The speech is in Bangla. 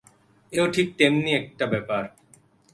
এ-ও ঠিক তেমনি একটা ব্যাপার।